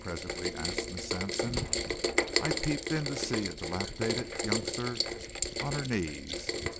presently asked Miss Sampson. I peeped in to see a dilapidated youngster on her knees.